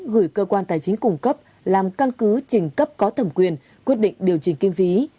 gửi cơ quan tài chính cung cấp làm căn cứ trình cấp có thẩm quyền quyết định điều chỉnh kinh phí